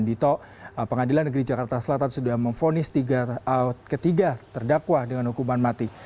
dito pengadilan negeri jakarta selatan sudah memfonis ketiga terdakwa dengan hukuman mati